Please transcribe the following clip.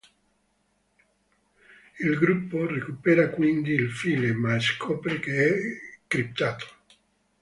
Il gruppo recupera quindi il file, ma scopre che è criptato.